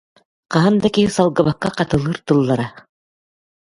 Хаһан да киһи салгыбакка хатылыыр тыллара